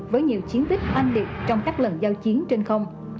với nhiều chiến tích oanh liệt trong các lần giao chiến trên không